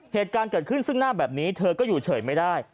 เหตุการณ์เกิดขึ้นซึ่งหน้าแบบนี้เธอก็อยู่เฉยไม่ได้